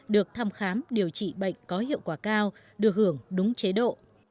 được thăm khám điều trị bệnh có hiệu quả cao được hưởng đúng chế độ